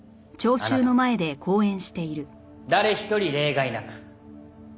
誰一人例外なく。